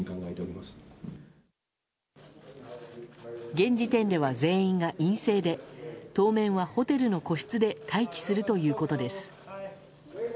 現時点では全員が陰性で当面はホテルの個室で待機するということです。